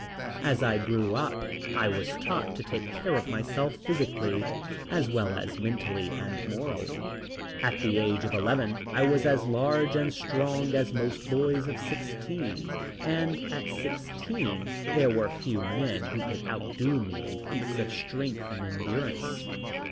As I grew up I was taught to take care of myself physically, as well as mentally and morally. At the age of eleven I was as large and strong as most boys of sixteen, and at sixteen there were few men who could outdo me in feats of strength and endurance.